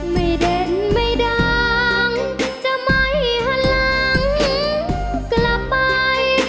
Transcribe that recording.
ไม่เด่นไม่ดังจะไม่หลังกลับไป